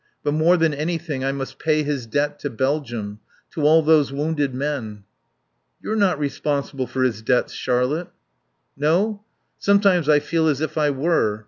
But more than anything I must pay his debt to Belgium. To all those wounded men." "You're not responsible for his debts, Charlotte." "No? Sometimes I feel as if I were.